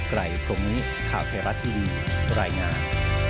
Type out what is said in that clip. ไกลตรงนี้ข่าวเทราะทีวีรายงาน